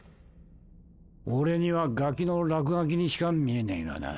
俺にはガキの落書きにしか見えねえがな。